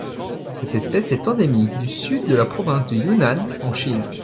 Cette espèce est endémique du Sud de la province du Yunnan en Chine.